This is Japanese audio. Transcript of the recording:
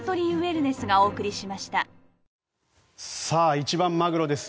一番マグロですよ。